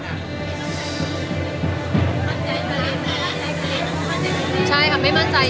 ลิฟท์ลิฟท์ลิฟท์ลิฟท์